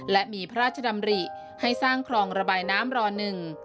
และมีพระราชดำริให้สร้างคลองระบายน้ำรอหนึ่ง